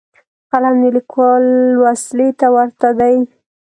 قلم د لیکوال وسلې ته ورته دی